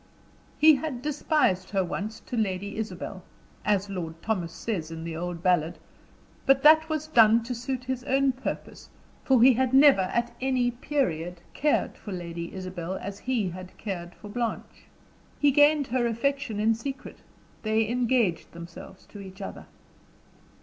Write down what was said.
He had despised her once to Lady Isabel as Lord Thomas says in the old ballad; but that was done to suit his own purpose, for he had never, at any period, cared for Lady Isabel as he had cared for Blanche. He gained her affection in secret they engaged themselves to each other.